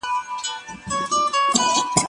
ايا ته د کتابتون کتابونه لوستل کوې؟